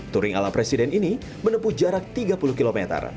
touring ala presiden ini menempuh jarak tiga puluh km